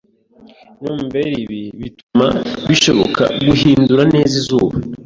numberIbi bituma bishoboka guhindura neza izuba